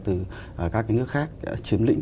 từ các cái nước khác chiếm lĩnh